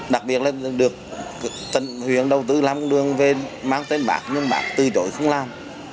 đặc biệt là được huyện đầu tư làm con đường về mang tên bạc nhưng bạc từ chối không làm